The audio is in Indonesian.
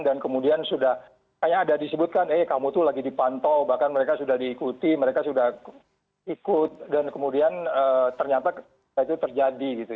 dan kemudian sudah kayak ada disebutkan eh kamu tuh lagi dipantau bahkan mereka sudah diikuti mereka sudah ikut dan kemudian ternyata itu terjadi gitu